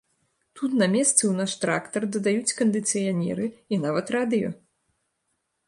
Тут на месцы ў наш трактар дадаюць кандыцыянеры і нават радыё.